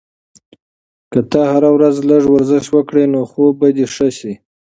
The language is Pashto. که ته هره ورځ لږ ورزش وکړې، نو خوب به دې ښه شي.